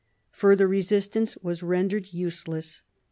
Further resistance was rendered useless.